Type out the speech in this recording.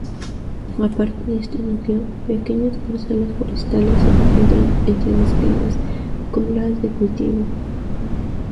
Aparte de este núcleo, pequeñas parcelas forestales se encuentran entremezcladas con las de cultivo.